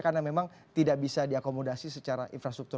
karena memang tidak bisa diakomodasi secara infrastruktur